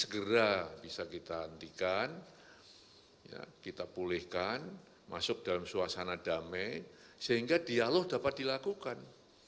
segera bisa kita hentikan kita pulihkan masuk dalam suasana damai sehingga dialog dapat dilakukan